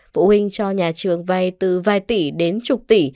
phụ huynh cho nhà trường vay từ vài tỷ đến chục tỷ